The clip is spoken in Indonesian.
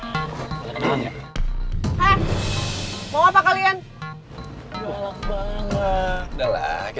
hei siapa mengerjakan aku lagi